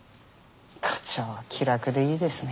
課長は気楽でいいですね。